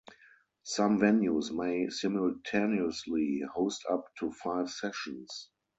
Some venues may simultaneously host up to five sessions.